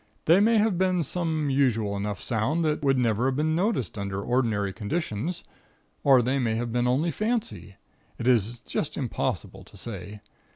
They may have been some usual enough sound that would never have been noticed under ordinary conditions, or they may have been only fancy. It is just impossible to say.